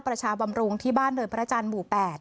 ประชาบำรุงที่บ้านเนินพระจันทร์หมู่๘